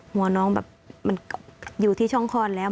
หัวน้องแบบมันอยู่ที่ช่องคลอดแล้ว